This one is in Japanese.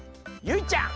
ゆいちゃん。